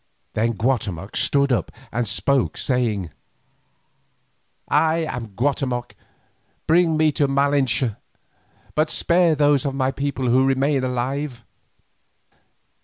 Then Guatemoc stood up and spoke, saying: "I am Guatemoc. Bring me to Malinche. But spare those of my people who remain alive."